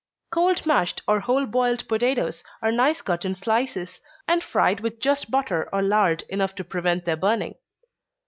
Cold mashed, or whole boiled potatoes, are nice cut in slices, and fried with just butter or lard enough to prevent their burning.